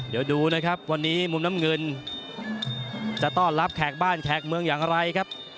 เดี๋ยวดูนะครับวันนี้มุมน้ำเงินจะต้อนรับแขกบ้านแขกเมืองอย่างไรครับ